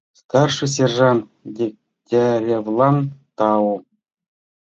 — Старший сержант Дегтяревлан тау.